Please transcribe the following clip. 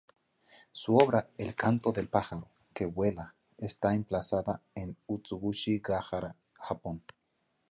Su obra El canto del pájaro que vuela está emplazada en Utsugushi-Ga-Hara, Japón.